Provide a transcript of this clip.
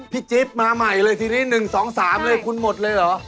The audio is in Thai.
จิ๊บมาใหม่เลยทีนี้๑๒๓เลยคุณหมดเลยเหรอ